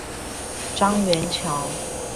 樟原橋